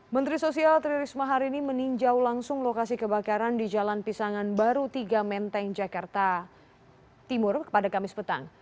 menteri sosial tri risma hari ini meninjau langsung lokasi kebakaran di jalan pisangan baru tiga menteng jakarta timur pada kamis petang